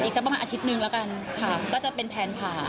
สักประมาณอาทิตย์นึงแล้วกันค่ะก็จะเป็นแผนผ่า